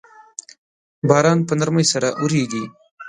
باران په نرمۍ سره اوریږي